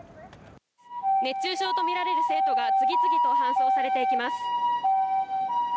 熱中症とみられる生徒が次々と搬送されていきます。